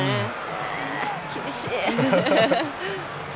厳しい！